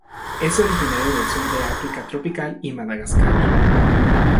Es originario del sur de África tropical y Madagascar.